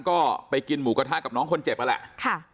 ก็ไปกินหมูกระทะกับน้องคนเจ็บนั่นแหละ